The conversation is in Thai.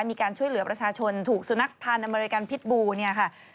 มีการช่วยเหลือประชาชนถูกสุนัขพันธ์อเมริกันพิษบูเนี่ยค่ะ